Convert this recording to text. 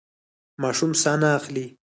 ماشوم ساه نه اخلي.